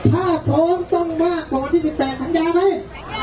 ถ้าพร้อมต้องมากกว่าที่สิบแปดสัญญาไหม